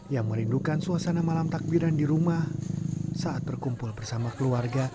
yang merindukan suasana malam takbiran di rumah saat berkumpul bersama keluarga